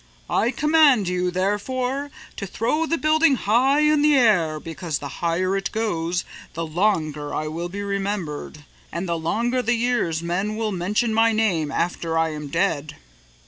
"I command you, therefore, to throw the building high in the air because the higher it goes the longer I will be remembered and the longer the years men will mention my name after I am dead."